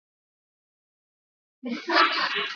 Ni vema kusaidia wajane na mayatima